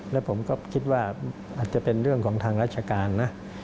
และผมก็คิดว่าอาจจะเป็นเรื่องของทางราชการนะ